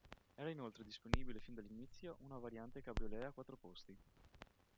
Era inoltre disponibile fin dall'inizio una variante cabriolet a quattro posti.